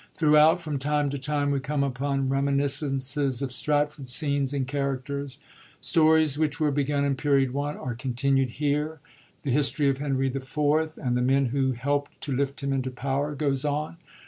Throughout, from time to time, we come upon reminiscences of Stratford scenes and characters. Stories which were begun in Period I. are continued here; the history of Henry IV., and the men who helpt to lift him into power, goes on.